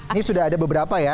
ini sudah ada beberapa ya